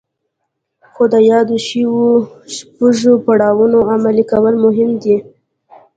خو د يادو شويو شپږو پړاوونو عملي کول مهم دي.